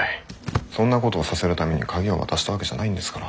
そんなことをさせるために鍵を渡したわけじゃないんですから。